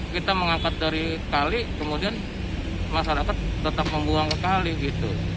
kita mengangkat dari kali kemudian masyarakat tetap membuang ke kali gitu